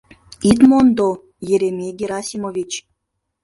Ит мондо, Еремей Герасимович!